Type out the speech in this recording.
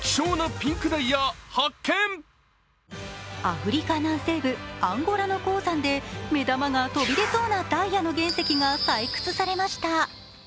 アフリカ南西部アンゴラの鉱山で目玉が飛び出そうなダイヤの原石が採掘されました。